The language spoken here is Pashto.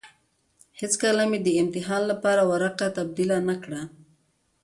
هېڅکله مې يې د امتحان لپاره ورقه تبديله نه کړه.